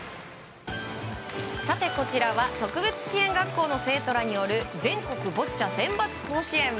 こちらは特別支援学校の生徒らによる全国ボッチャ選抜甲子園。